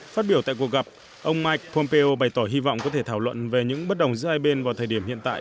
phát biểu tại cuộc gặp ông mike pompeo bày tỏ hy vọng có thể thảo luận về những bất đồng giữa hai bên vào thời điểm hiện tại